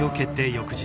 翌日。